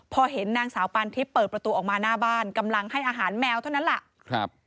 พอเห็นนางสาวปานทิพย์เปิดประตูออกมาหน้าบ้านกำลังให้อาหารแมวเท่านั้นแหละ